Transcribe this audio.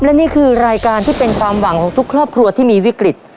และนี่คือรายการที่เป็นความหวังของทุกครอบครัวที่มีวิกฤต